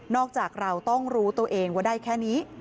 จากเราต้องรู้ตัวเองว่าได้แค่นี้